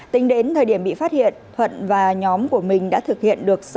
tính đến thời điểm bị phát hiện thuận và nhóm của mình đã thực hiện được